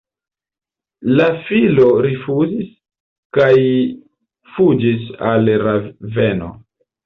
La filo rifuzis kaj fuĝis al Raveno.